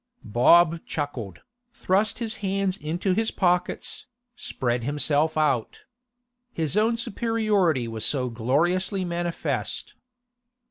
Bob chuckled, thrust his hands into his pockets, spread himself out. His own superiority was so gloriously manifest.